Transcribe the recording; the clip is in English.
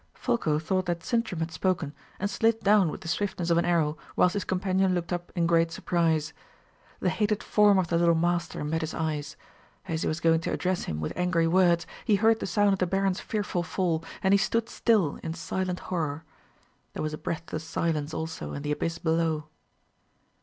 Folko thought that Sintram had spoken, and slid down with the swiftness of an arrow, whilst his companion looked up in great surprise. The hated form of the little Master met his eyes. As he was going to address him with angry words, he heard the sound of the baron's fearful fall, and he stood still in silent horror. There was a breathless silence also in the abyss below.